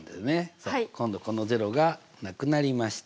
今度この０がなくなりました。